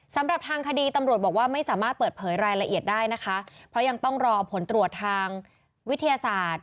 สำหรับทางคดีตำรวจบอกว่าไม่สามารถเปิดเผยรายละเอียดได้นะคะเพราะยังต้องรอผลตรวจทางวิทยาศาสตร์